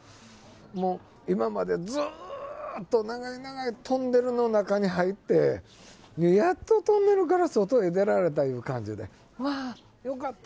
もう今までずーっと、長い長いトンネルの中に入って、やっとトンネルから外へ出られたいう感じで、わーよかった！